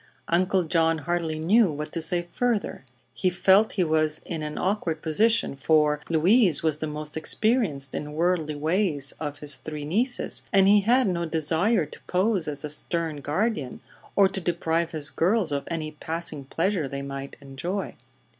Uncle John hardly knew what to say further. He felt he was in an awkward position, for Louise was the most experienced in worldly ways of his three nieces and he had no desire to pose as a stern guardian or to deprive his girls of any passing pleasure they might enjoy.